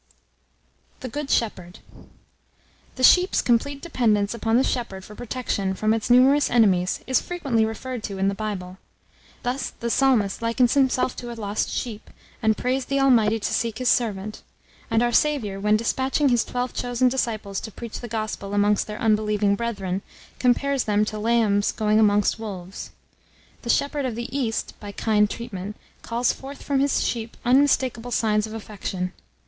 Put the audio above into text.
THE GOOD SHEPHERD. The sheep's complete dependence upon the shepherd for protection from its numerous enemies is frequently referred to in the Bible; thus the Psalmist likens himself to a lost sheep, and prays the Almighty to seek his servant; and our Saviour, when despatching his twelve chosen disciples to preach the Gospel amongst their unbelieving brethren, compares them to lambs going amongst wolves. The shepherd of the East, by kind treatment, calls forth from his sheep unmistakable signs of affection.